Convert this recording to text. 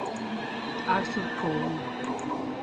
Arthur Cohn